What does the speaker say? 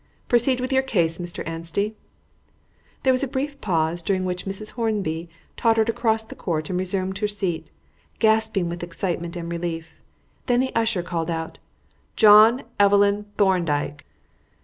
Proceed with your case, Mr. Anstey." There was a brief pause, during which Mrs. Hornby tottered across the court and resumed her seat, gasping with excitement and relief; then the usher called out "John Evelyn Thorndyke!"